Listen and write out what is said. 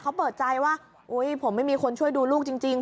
เขาเปิดใจว่าอุ๊ยผมไม่มีคนช่วยดูลูกจริง